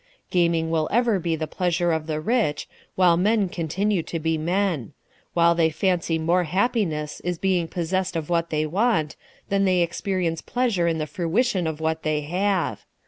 Gaming will ever be the pleasure of the rich, while men continue to be men ; while they fancy more happiness is being possessed of what they want, than they experience pleasure in the fruition of what they have.